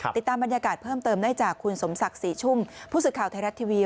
ติดตามบรรยากาศเพิ่มเติมได้จากคุณสมศักดิ์ศรีชุ่มผู้สื่อข่าวไทยรัฐทีวี